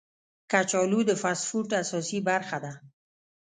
کچالو د فاسټ فوډ اساسي برخه ده